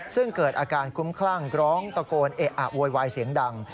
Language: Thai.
ซึ่งเกิดอาการคุ้มคลั่งร้องตะโกนเอะอะโวยวายเสียงดัง